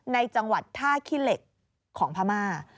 ในจังหวัดท่าขี้เหล็กของพม่า